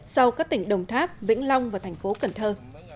sau các tỉnh đồng tháp vĩnh long và thành phố cần thơ